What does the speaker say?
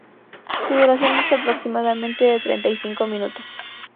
Su duración es aproximadamente de treinta y cinco minutos.